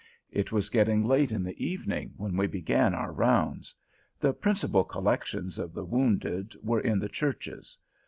It was getting late in the evening when we began our rounds. The principal collections of the wounded were in the churches.